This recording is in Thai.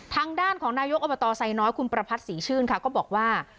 ทางด้านของนายกอบตไซน้อยคุณประพัทธศรีชื่นค่ะก็บอกว่า